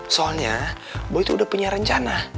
makanya boy tuh udah punya rencana